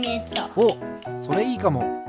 おっそれいいかも！